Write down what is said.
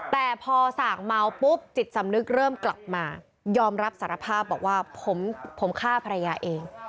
แต่พอส่างเมาปุ๊บจิตสำนึกเริ่มกลับมายอมรับสารภาพบอกว่าผมฆ่าภรรยาเอง